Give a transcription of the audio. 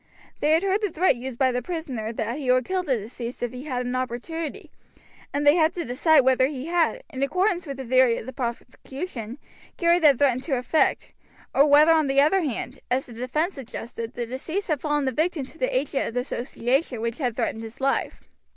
They had heard the threat used by the prisoner that he would kill the deceased if he had an opportunity, and they had to decide whether he had, in accordance with the theory of the prosecution, carried that threat into effect; or whether on the other hand, as the defense suggested, the deceased had fallen a victim to the agent of the association which had threatened his life.